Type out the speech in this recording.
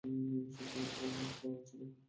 সংগ্রাম ফর চাণক্য!